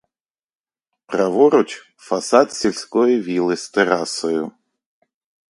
Праворуч — фасад сільської вілли з терасою.